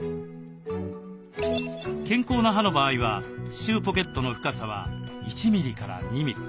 健康な歯の場合は歯周ポケットの深さは１ミリ２ミリ。